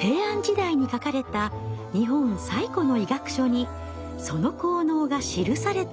平安時代に書かれた日本最古の医学書にその効能が記されています。